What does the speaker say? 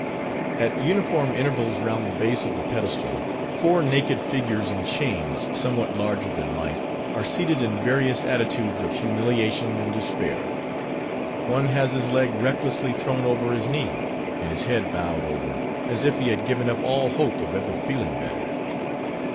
At uniform intervals round the base of the pedestal, four naked figures in chains, somewhat larger than life, are seated in various attitudes of humiliation and despair. One has his leg recklessly thrown over his knee, and his head bowed over, as if he had given up all hope of ever feeling better.